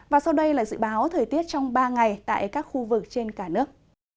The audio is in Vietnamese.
và sau đây là dự báo thời tiết trong ba ngày tại các khu vực trên cả nước